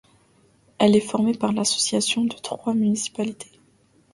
Elle est formée par l'association de trois municipalités.